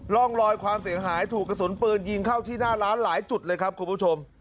ร่องรอยความเสียหายถูกกระสุนปืนยิงเข้าที่หน้าร้านหลายจุดเลยครับคุณผู้ชม